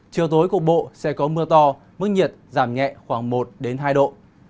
chiều tối cục bộ sẽ có mưa to mức nhiệt giảm nhẹ khoảng một hai độ